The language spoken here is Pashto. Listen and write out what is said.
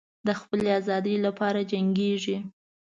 د خپلې آزادۍ لپاره جنګیږي.